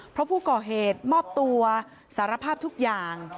เพราะผู้ก่อเหตุมอบตัวสารภาพทุกอย่าง